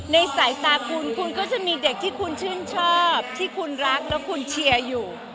ในสายตาคุณคุณก็จะมีเด็กที่คุณชื่นชอบที่คุณรักแล้วคุณเชียร์อยู่